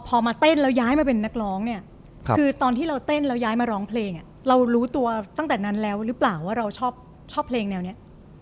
พอมาเต้นแล้วย้ายมาเป็นนักร้องเนี่ยคือตอนที่เราเต้นแล้วย้ายมาร้องเพลงเรารู้ตัวตั้งแต่นั้นแล้วหรือเปล่าว่าเราชอบเพลงแนวนี้